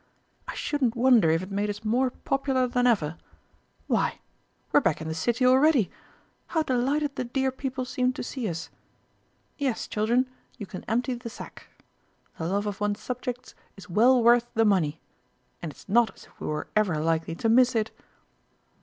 "I shouldn't wonder if it made us more popular than ever.... Why, we're back in the city already!... How delighted the dear people seem to see us!... Yes, Children, you can empty the sack. The love of one's subjects is well worth the money and it's not as if we were ever likely to miss it!"